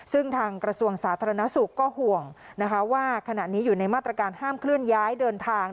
ซึ่งทางกระทรวงสาธารณสุขก็ห่วงนะคะว่าขณะนี้อยู่ในมาตรการห้ามเคลื่อนย้ายเดินทาง